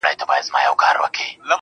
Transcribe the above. د ژبې ساده کول